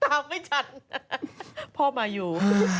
ตามไม่ชัดพ่อมายู